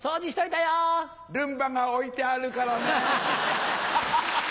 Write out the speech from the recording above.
ルンバが置いてあるからね。